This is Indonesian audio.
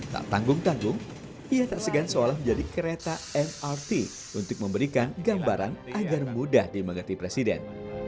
tak tanggung tanggung ia tak segan seolah menjadi kereta mrt untuk memberikan gambaran agar mudah dimengerti presiden